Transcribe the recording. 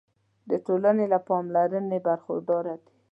د ټولنې له پاملرنې برخورداره دي.